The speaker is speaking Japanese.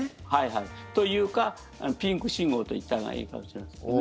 というか、ピンク信号と言ったらいいかもしれませんね。